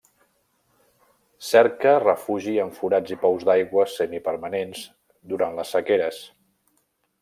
Cerca refugi en forats i pous d'aigua semipermanents durant les sequeres.